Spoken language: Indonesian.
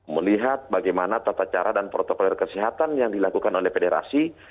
melihat bagaimana tata cara dan protokol kesehatan yang dilakukan oleh federasi